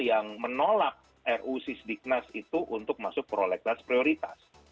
yang menolak ru sisdiknas itu untuk masuk prolegnas prioritas